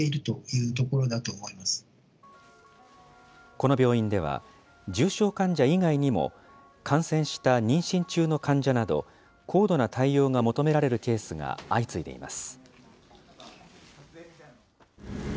この病院では、重症患者以外にも、感染した妊娠中の患者など、高度な対応が求められるケースが相次いでいます。